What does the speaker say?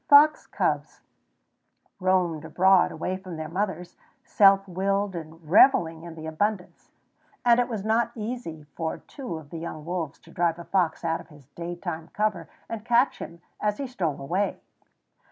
Fox cubs roamed abroad away from their mothers, self willed and reveling in the abundance; and it was now easy for two of the young wolves to drive a fox out of his daytime cover and catch him as he stole away.